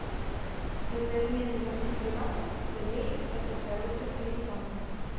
Гэтая зменлівасць у прыватнасці залежыць ад асяроддзя пражывання.